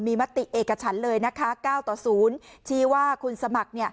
มีมติเอกชั้นก์เลยนะคะเก้าต่อศูนย์ชี้ว่าคุณสมัคร